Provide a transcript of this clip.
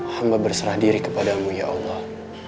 hama berserah diri kepadamu ya allah